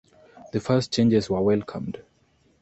The first changes were welcomed.